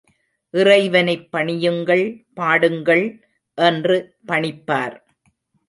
இறைவனைப் பணியுங்கள், பாடுங்கள் என்று பணிப்பார்.